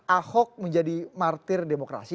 ahok menjadi martir demokrasi